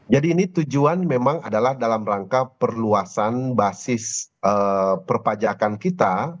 jadi ini tujuan memang adalah dalam rangka perluasan basis perpajakan kita